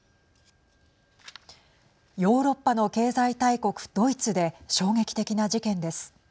ヨーロッパの経済大国ドイツで衝撃的な事件です。